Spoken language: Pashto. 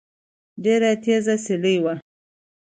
ډېره تېزه سيلۍ وه